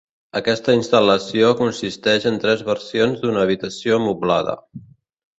Aquesta instal·lació consisteix en tres versions d'una habitació moblada.